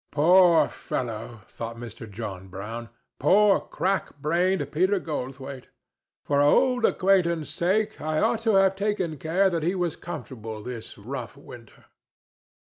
"Poor fellow!" thought Mr. John Brown. "Poor crack brained Peter Goldthwaite! For old acquaintance' sake I ought to have taken care that he was comfortable this rough winter."